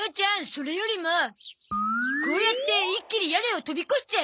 それよりもこうやって一気に屋根を飛び越しちゃえば？